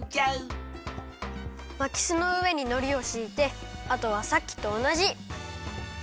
まきすのうえにのりをしいてあとはさっきとおなじ。